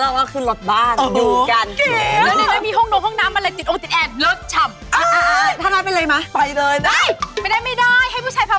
แล้วเป็นแบบว่าเออเฮ้ยเราขับกันบ้านใช่ใช่ตอนเด็กไงอยากดูหนัง